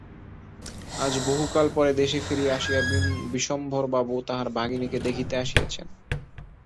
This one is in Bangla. আজ বহুকাল পরে দেশে ফিরিয়া আসিয়া বিশ্বম্ভরবাবু তাঁহার ভগিনীকে দেখিতে আসিয়াছেন।